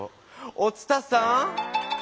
お伝さん